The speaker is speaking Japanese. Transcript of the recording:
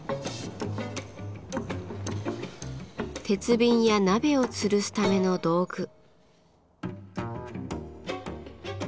鉄瓶や鍋をつるすための道具。